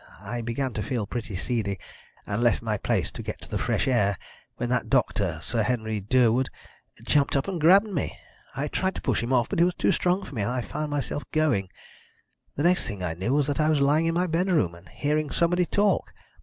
I began to feel pretty seedy, and left my place to get to the fresh air, when that doctor Sir Henry Durwood jumped up and grabbed me. I tried to push him off, but he was too strong for me, and I found myself going. The next thing I knew was that I was lying in my bedroom, and hearing somebody talk.